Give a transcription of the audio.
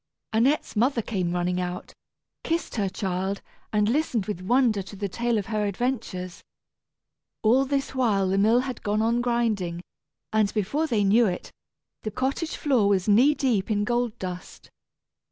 Annette's mother came running out, kissed her child, and listened with wonder to the tale of her adventures. All this while the mill had gone on grinding, and before they knew it the cottage floor was knee deep in gold dust.